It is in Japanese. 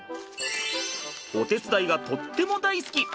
お手伝いがとっても大好き！